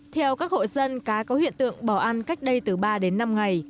theo các hộ dân cá có hiện tượng bỏ ăn cách đây từ ba đến năm ngày